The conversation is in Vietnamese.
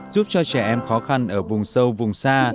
giúp cho trẻ em khó khăn ở vùng sâu vùng xa